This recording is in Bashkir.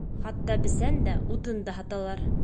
Хатта бесән дә, утын да һаталар.